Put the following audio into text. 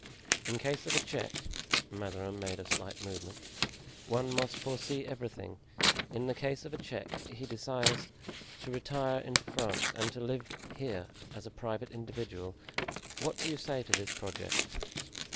In case of a check" (Mazarin made a slight movement), "one must foresee everything; in the case of a check, he desires to retire into France and to live here as a private individual. What do you say to this project?"